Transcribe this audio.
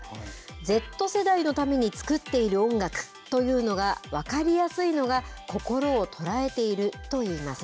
Ｚ世代のために作っている音楽というのが分かりやすいのが、心を捉えているといいます。